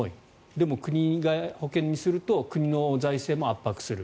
でも国が保険にすると国の財政も圧迫する。